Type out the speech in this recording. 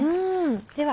では